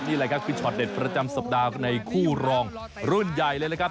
นี่แหละครับคือช็อตเด็ดประจำสัปดาห์ในคู่รองรุ่นใหญ่เลยนะครับ